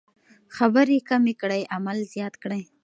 خبرې کمې کړئ عمل زیات کړئ.